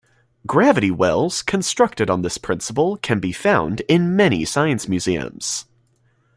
Gravity wells constructed on this principle can be found in many science museums.